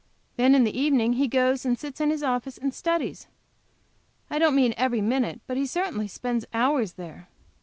Then in the evening he goes and sits in his office and studies; I don't mean every minute, but he certainly spends hours there.